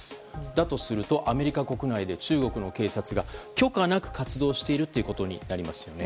だとすると、アメリカ国内で中国の警察が許可なく活動しているということになりますよね。